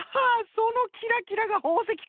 そのキラキラがほうせきか。